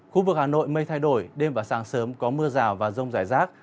khu vực hà nội mây thay đổi đêm và sáng sớm có mưa rào và rông rải rác